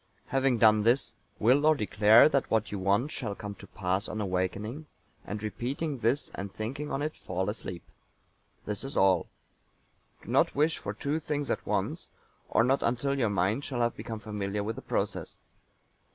Having done this, will or declare that what you want shall come to pass on awaking, and repeating this and thinking on it, fall asleep. This is all. Do not wish for two things at once, or not until your mind shall have become familiar with the process.